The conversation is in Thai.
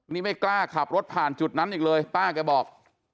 นี่ไม่กล้าขับรถผ่านจุดนั้นอีกเลยป้าแกบอก